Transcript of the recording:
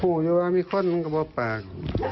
ภูอยู่อ่ะมีข้อมงต์ก็ไม่เปลือกปาก